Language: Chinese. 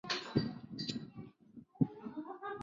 拉戈阿多拉达是巴西米纳斯吉拉斯州的一个市镇。